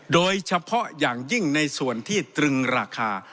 โดยเฉพาะอย่างยิ่งในส่วนที่ตรึงราคา